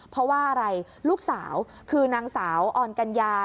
เพราะว่าอะไรลูกสาวคือนางสาวออนกัญญา